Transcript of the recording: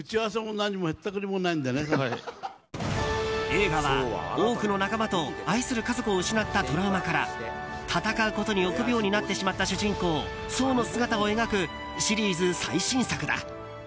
映画は、多くの仲間と愛する家族を失ったトラウマから戦うことに臆病になってしまった主人公ソーの姿を描くシリーズ最新作だ。